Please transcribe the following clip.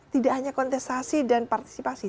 tidak hanya kontestasi dan partisipasi